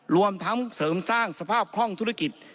รวมทั้งเสริมสร้างสภาพคล่องธุรกิจ